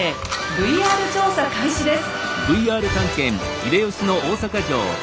ＶＲ調査開始です！